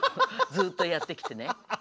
ずっとやってきてね。